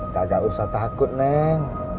kagak usah takut neng